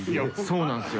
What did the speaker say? そうなんですよ。